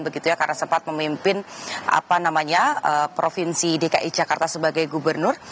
begitu ya karena sempat memimpin provinsi dki jakarta sebagai gubernur